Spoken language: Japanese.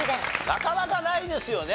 なかなかないですよね。